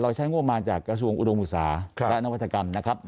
ใช้งบมาจากกระทรวงอุดมศึกษาและนวัตกรรมนะครับ